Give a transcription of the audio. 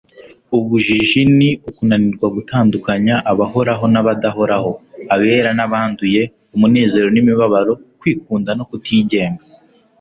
ubujiji ni ukunanirwa gutandukanya abahoraho n'abadahoraho, abera n'abanduye, umunezero n'imibabaro, kwikunda no kutigenga